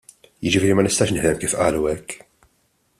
Jiġifieri ma nistax nifhem kif qalu hekk.